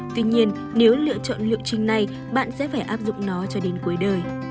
tuy nhiên nếu lựa chọn lựa chình này bạn sẽ phải áp dụng nó cho đến cuối đời